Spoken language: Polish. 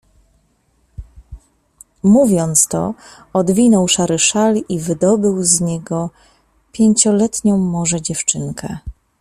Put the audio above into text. "Mówiąc to, odwinął szary szal i wydobył z niego pięcioletnią może dziewczynkę."